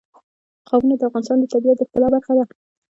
قومونه د افغانستان د طبیعت د ښکلا برخه ده.